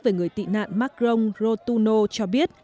về người tị nạn macron rotuno cho biết